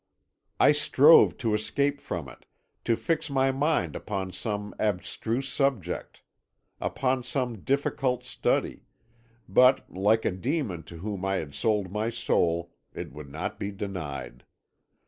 "I strove to escape from it, to fix my mind upon some abstruse subject, upon some difficult study, but, like a demon to whom I had sold my soul, it would not be denied.